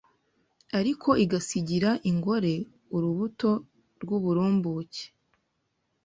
ariko igasigira ingore urubuto rw’uburumbuke.